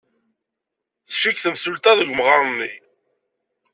Tcikk temsulta deg umɣar-nni.